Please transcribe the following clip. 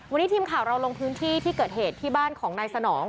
วันนี้ทีมข่าวเราลงพื้นที่ที่เกิดเหตุที่บ้านของนายสนอง